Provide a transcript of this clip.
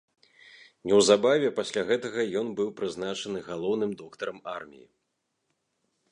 Неўзабаве пасля гэтага ён быў прызначаны галоўным доктарам арміі.